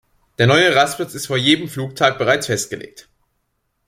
Der neue Rastplatz ist vor jedem Flugtag bereits festgelegt.